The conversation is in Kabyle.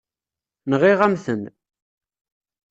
Nɣiɣ-am-ten.